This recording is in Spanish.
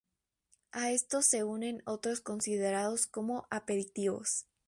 A estos se unen otros considerados como aperitivos.